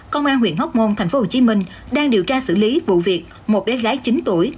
công an huyện hóc môn tp hcm đang điều tra xử lý vụ việc một bé gái chín tuổi